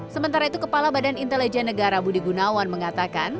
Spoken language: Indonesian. sementara itu kepala badan intelijen negara budi gunawan mengatakan